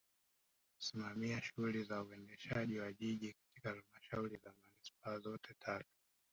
Kusimamia shughuli za uendelezaji wa Jiji katika Halmashauri za Manispaa zote tatu